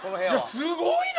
すごいな！